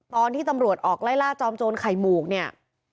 ตอนที่ตำรวจออกไล่ล่าจอมโจรไข่หมูกเนี่ย